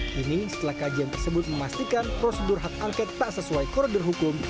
kini setelah kajian tersebut memastikan prosedur hak angket tak sesuai koridor hukum